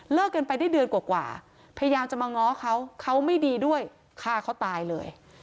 กันไปได้เดือนกว่าพยายามจะมาง้อเขาเขาไม่ดีด้วยฆ่าเขาตายเลย